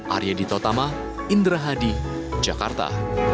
arya ditotama indra hadi jakarta